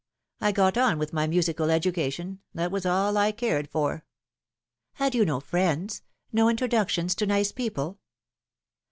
I got on with my musical education that was all I cared for." " Had you no friends no introductions to nice people?"